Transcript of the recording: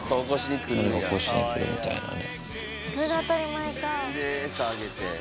のりが起こしにくるみたいなね。